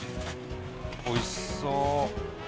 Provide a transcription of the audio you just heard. おいしそう！